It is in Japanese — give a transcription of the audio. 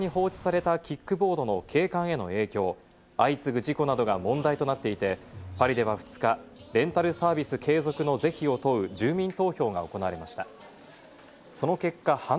一方、２人乗りなど、交通マナーの悪さや、街中に放置されたキックボードの景観への影響、相次ぐ事故などが問題となっていて、パリでは２日、レンタルサービス継続の是非を問う住民投票が行われました。